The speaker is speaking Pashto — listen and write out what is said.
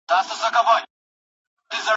که مطالعه نه وای بشر به پرمختګ نه و کړی.